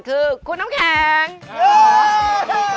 ใครคือผู้แข็งแกร่งอึดถึกทนที่สุดในรายการคะ